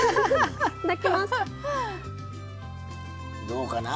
どうかな？